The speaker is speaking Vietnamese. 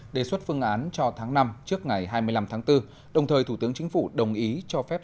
đề xuất phương án cho tháng năm trước ngày hai mươi năm tháng bốn đồng thời thủ tướng chính phủ đồng ý cho phép